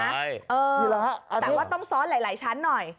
เอ๊ะแต่ว่าต้องซ้อนหลายชั้นหน่อย